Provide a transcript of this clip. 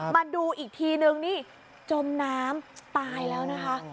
มาดูอีกทีนึงนี่จมน้ำตายแล้วนะคะ